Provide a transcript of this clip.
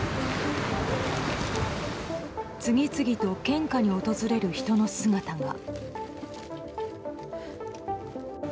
次々と献花に訪れる人の姿が。